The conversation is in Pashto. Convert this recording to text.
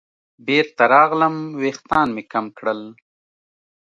بېرته راغلم ویښتان مې کم کړل.